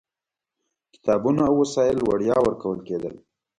کتابونه او وسایل وړیا ورکول کېدل.